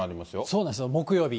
そうなんですよ、木曜日。